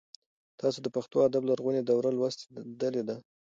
تاسو د پښتو ادب لرغونې دوره لوستلې ده؟